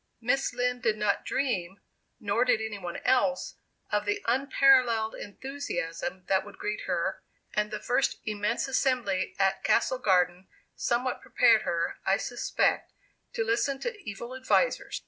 Miss Lind did not dream, nor did any one else, of the unparalleled enthusiasm that would greet her; and the first immense assembly at Castle Garden somewhat prepared her, I suspect, to listen to evil advisers.